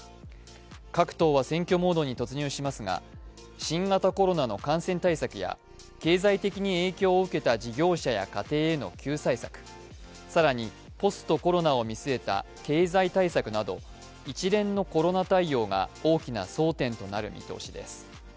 各党は選挙モードに突入しますが、新型コロナの感染対策や経済的に影響を受けた事業者や家庭への救済策、更に、ポスト・コロナを見据えた経済対策など一連のコロナ対応が大きな争点となる見通しです。